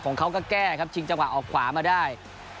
ของเขาก็แก้ครับชิงจังหวะออกขวามาได้